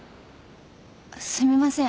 すみません。